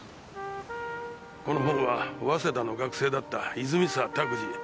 この本は早稲田の学生だった泉沢卓司